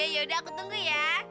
yaudah aku tunggu ya